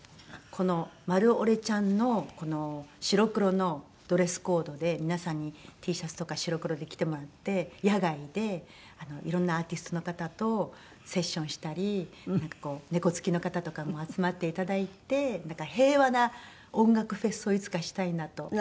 このマルオレちゃんの白黒のドレスコードで皆さんにＴシャツとか白黒できてもらって野外でいろんなアーティストの方とセッションしたりなんかこう猫好きの方とかも集まっていただいて平和な音楽フェスをいつかしたいなと。